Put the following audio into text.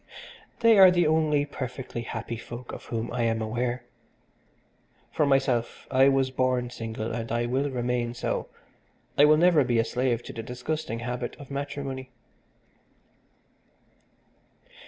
They are the only perfectly happy folk of whom I am aware. For myself, I was born single and I will remain so, I will never be a slave to the disgusting habit of matrimony."